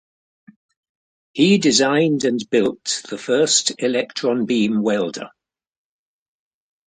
He designed and built the first electron beam welder.